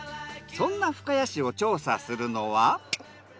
そんな深谷市を調査するのは。